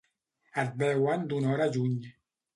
Et veuen d'una hora lluny.